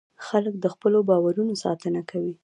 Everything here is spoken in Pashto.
خلک د خپلو باورونو ساتنه کوي.